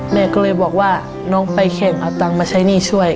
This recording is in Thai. แม่ก็เลยบอกว่าน้องไปแข่งเอาตังค์มาใช้หนี้ช่วย